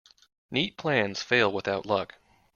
Neat plans fail without luck.